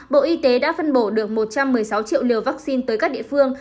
bộ y tế đã phân bổ được một trăm một mươi sáu triệu liều vaccine tới các địa phương